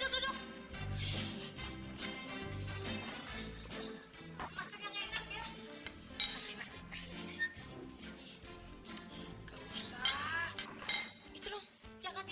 pak samin itu kamu